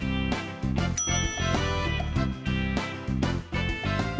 ยิ้มจิ้ม